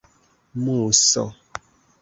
muso